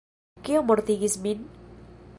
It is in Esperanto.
Kio mortigis min?